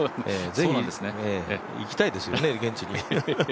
ぜひ、行きたいですよね現地に。